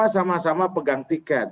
sama sama pegang tiket